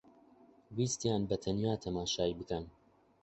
ویستیان بەتەنیا تەماشای بکەن